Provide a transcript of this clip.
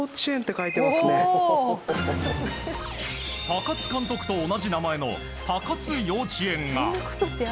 高津監督と同じ名前のたかつ幼稚園が。